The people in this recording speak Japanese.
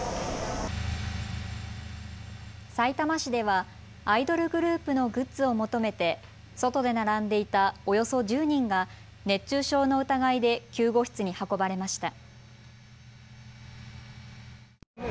さいたま市ではアイドルグループのグッズを求めて外で並んでいたおよそ１０人が熱中症の疑いで救護室に運ばれました。